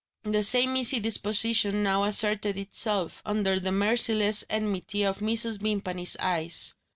The same easy disposition now asserted itself, under the merciless enmity of Mrs. Vimpany's eyes.